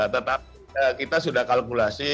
tetapi kita sudah kalkulasi